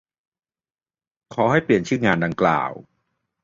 ขอให้เปลี่ยนชื่องานดังกล่าว